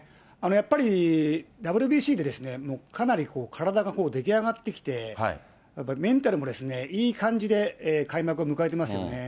やっぱりＷＢＣでもうかなり体が出来上がってきて、メンタルもいい感じで開幕を迎えていますよね。